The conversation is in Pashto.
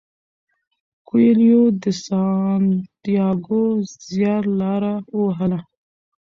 کویلیو د سانتیاګو زیارلاره ووهله.